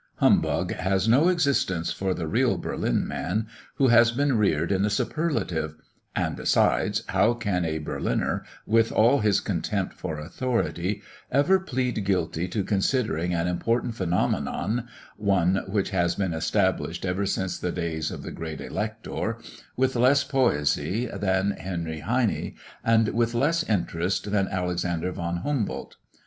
Humbug has no existence for the real Berlin man, who has been reared in the superlative; and, besides, how can a Berliner, with all his contempt for authority, ever plead guilty to considering an important phenomenon, one which has been established ever since the days of the Great Elector, with less poesy than Henry Heine, and with less interest than Alexander von Humboldt.